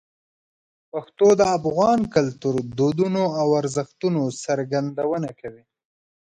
پښتو د افغان کلتور، دودونو او ارزښتونو څرګندونه کوي.